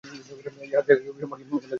এটি হাটহাজারী মডেল থানার আওতাধীন।